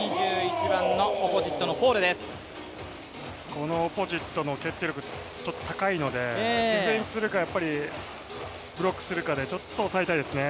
このオポジットの決定力高いのでディフェンスするかブロックするかでちょっと押さえたいですね。